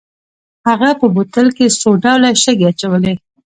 هغه په بوتل کې څو ډوله شګې اچولې.